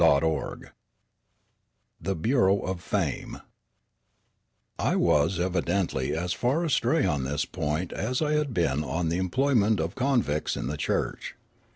CHAPTER XI THE BUREAU OF FAME I WAS evidently as far astray on this point as I had been on the emplo3'ment of convicts in the church.